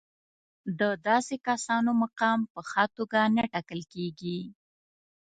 د داسې کسانو مقام په ښه توګه نه ټاکل کېږي.